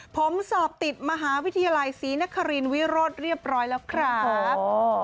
ผมสอบติดมหาวิทยาลัยศรีนครินวิโรธเรียบร้อยแล้วครับ